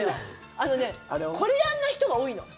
あのねこれ、やんない人が多いの。